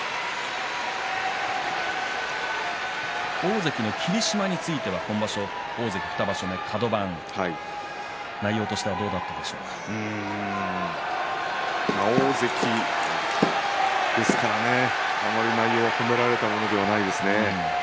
大関の霧島については今場所大関２場所目大関ですからねあまり内容は褒められたものではないですね。